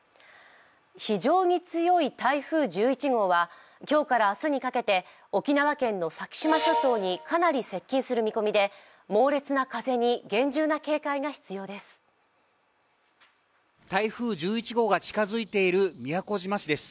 非常に強い台風１１号は、今日から明日にかけて沖縄県の先島諸島にかなり接近する見込みで猛烈な風に厳重な警戒が必要です。